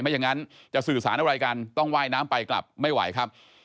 อย่างนั้นจะสื่อสารอะไรกันต้องว่ายน้ำไปกลับไม่ไหวครับ